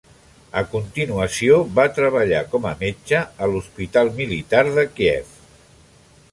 A continuació, va treballar com a metge a l'Hospital Militar de Kíev.